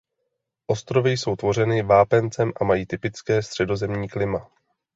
Ostrovy jsou tvořeny vápencem a mají typické středozemní klima.